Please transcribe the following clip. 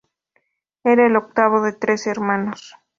Era el octavo de trece hermanos.